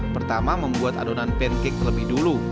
pertama membuat adonan pancake terlebih dulu